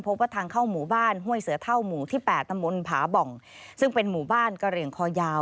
พบว่าทางเข้าหมู่บ้านห้วยเสือเท่าหมู่ที่๘ตำบลผาบ่องซึ่งเป็นหมู่บ้านกะเหลี่ยงคอยาว